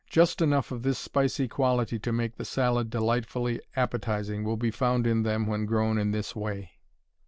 Just enough of this spicy quality to make the salad delightfully appetizing will be found in them when grown in this way.